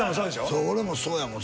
そう俺もそうやもん。